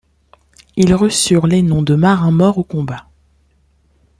Ils reçurent les noms de marins morts au combat.